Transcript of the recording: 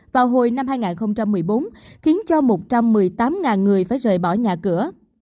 vào hồi năm hai nghìn một mươi bốn khiến cho một trăm một mươi tám người phải rời bỏ nhà cửa